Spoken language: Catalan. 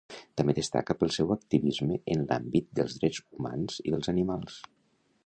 També destaca pel seu activisme en l'àmbit dels drets humans i dels animals.